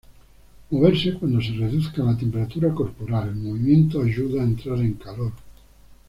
Moverse cuando se reduzca la temperatura corporal: el movimiento ayuda a entrar en calor.